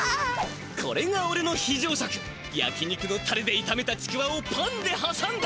これがおれのひじょう食やき肉のタレでいためたちくわをパンではさんだ。